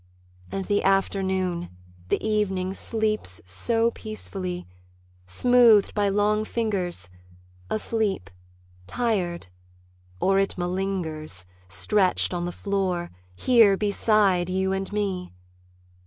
......... And the afternoon, the evening, sleeps so peacefully! Smoothed by long fingers, Asleep... tired... or it malingers. Stretched on the floor, here beside you and me.